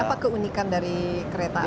apa keunikan dari kereta